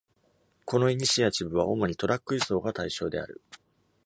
このイニシアチブは主にトラック輸送が対象である。